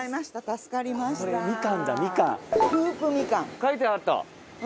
書いてあった。